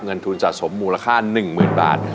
เงินทุนสะสมมูลค่าหนึ่งหมื่นบาท